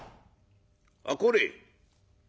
「あこれ。